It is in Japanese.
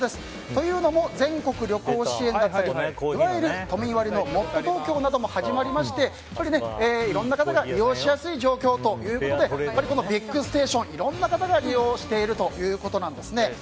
というのも全国旅行支援だったりいわゆる都民割も始まりましていろいろな方が利用しやすい状況ということでビッグステーションいろいろな方が利用しているということなんですね。